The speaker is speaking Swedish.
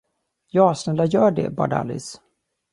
"Ja, snälla gör det!", bad Alice.